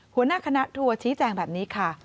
หัวหน้าคณะทัวร์ชี้แจงแบบนี้ค่ะ